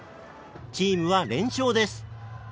チームは連勝です。